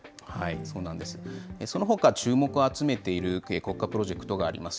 そのほか注目を集めている国家プロジェクトがあります。